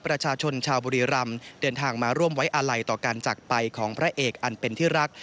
ประชาชนชาวบุรีรำเดินทางมาร่วมไว้อาลัยต่อการจักรไปของพระเอกอันเป็นที่รัก